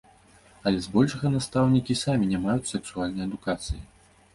Але збольшага настаўнікі самі не маюць сексуальнай адукацыі.